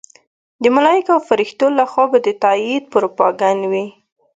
د ملایکو او فرښتو لخوا به د تایید پروپاګند وي.